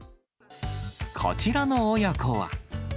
こちらの親子は。